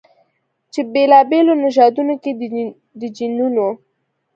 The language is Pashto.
چې بېلابېلو نژادونو کې د جینونو